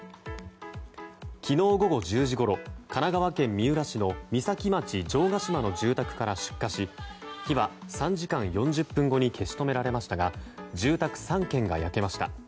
昨日午後１０時ごろ神奈川県三浦市の三崎町城ヶ島の住宅から出火し火は３時間４０分後に消し止められましたが住宅３軒が焼けました。